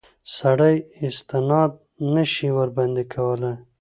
سړی استناد نه شي ورباندې کولای.